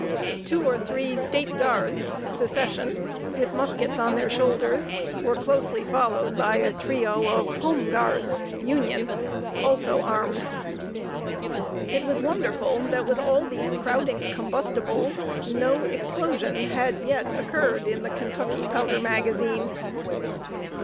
Two or three State Guards (Secession), with muskets on their shoulders, were closely followed by a trio of Home Guards (Union), also armed. It was wonderful that, with all these crowding combustibles, no explosion had yet occurred in the Kentucky powder magazine.